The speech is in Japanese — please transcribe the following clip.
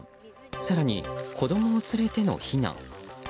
更に、子供を連れての避難。